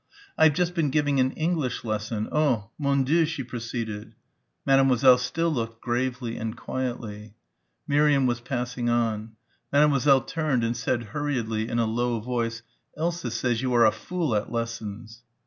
"I've just been giving an English lesson, oh, Mon Dieu," she proceeded. Mademoiselle still looked gravely and quietly. Miriam was passing on. Mademoiselle turned and said hurriedly in a low voice. "Elsa says you are a fool at lessons."